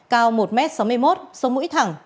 cao một m sáu mươi một sông mũi thẳng